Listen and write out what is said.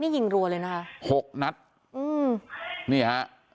นี่ยิงรัวเลยนะคะหกนัดอืมนี่ฮะ